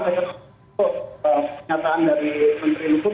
pernyataan dari menteri lutut